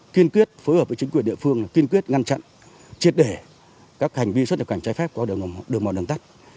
kiên quyết phối hợp với chính quyền địa phương kiên quyết ngăn chặn triệt để các hành vi xuất nhập cảnh trái phép qua đường mòn đường tắt